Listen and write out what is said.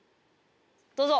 どうぞ！